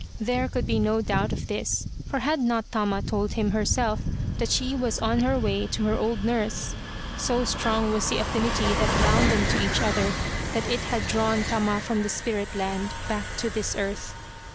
There could be no doubt of this, for had not Tama told him herself that she was on her way to her old nurse. So strong was the affinity that bound them to each other that it had drawn Tama from the spirit land back to this earth.